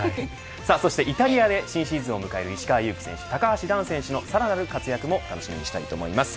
そしてイタリアで新シーズンを迎える、石川祐希選手高橋藍選手のさらなる活躍も楽しみにしたいと思います。